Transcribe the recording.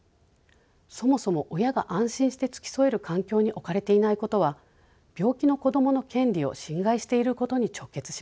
そもそも親が安心して付き添える環境に置かれていないことは病気の子どもの権利を侵害していることに直結します。